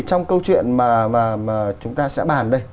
trong câu chuyện mà chúng ta sẽ bàn đây